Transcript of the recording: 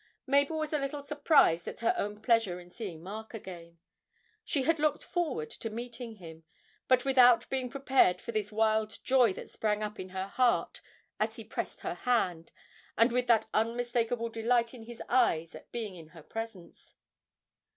Mabel was a little surprised at her own pleasure in seeing Mark again. She had looked forward to meeting him, but without being prepared for the wild joy that sprang up in her heart as he pressed her hand, and with that unmistakable delight in his eyes at being in her presence.